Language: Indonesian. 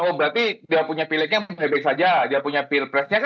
oh berarti dia punya pileknya baik baik saja dia punya pilpresnya